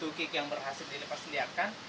tukik yang berhasil dilepasliarkan